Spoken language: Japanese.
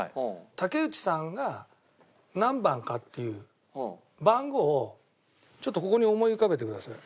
竹内さんが何番かっていう番号をちょっとここに思い浮かべてください。